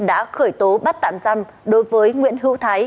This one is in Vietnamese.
đã khởi tố bắt tạm giam đối với nguyễn hữu thái